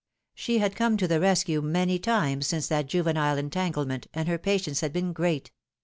She had come to the rescue many times since that juvenile entanglement, and her patience had been great.